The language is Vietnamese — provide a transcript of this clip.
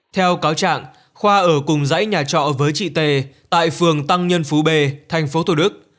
theo cáo trạng khoa ở cùng dãy nhà trọ với chị t tại phường tăng nhân phú b tp thủ đức